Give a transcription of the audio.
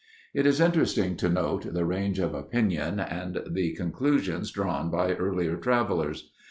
It is interesting to note the range of opinion and the conclusions drawn by earlier travelers.